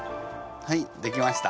はいできました。